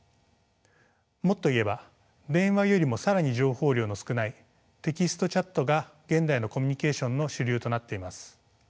もっと言えば電話よりも更に情報量の少ないテキストチャットが現代のコミュニケーションの主流となっています。